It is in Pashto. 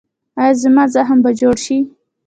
ایا زما زخم به جوړ شي؟